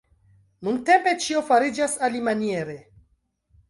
Nuntempe ĉio fariĝas alimaniere.